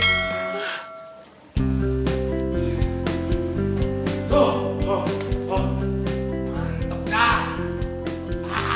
ah ah ah mantep dah